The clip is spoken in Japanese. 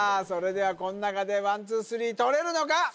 それではこん中でワンツースリーとれるのか？